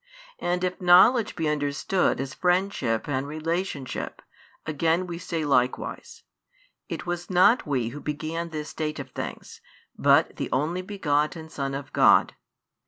And if knowledge be understood as friendship and relationship, again we say likewise: "It was not we who began this state of things, but the Only Begotten Son of God."